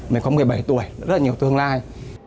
mình có một mươi bảy tuổi rất là nhiều tương lai